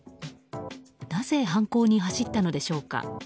なぜ犯行に走ったのでしょうか。